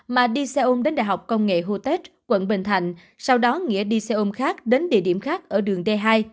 mà đi xe ôm đến đại học công nghệ hotex quận bình thạnh sau đó nghĩa đi xe ôm khác đến địa điểm khác ở đường d hai